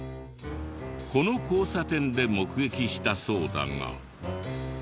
この交差点で目撃したそうだが。